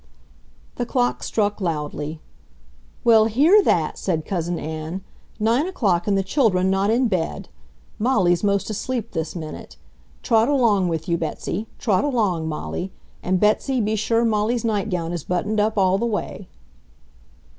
The clock struck loudly. "Well, hear that!" said Cousin Ann. "Nine o'clock and the children not in bed! Molly's most asleep this minute. Trot along with you, Betsy! Trot along, Molly. And, Betsy, be sure Molly's nightgown is buttoned up all the way."